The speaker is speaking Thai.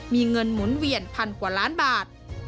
มีเงินหมุนเวียนพันกว่าล้านบาท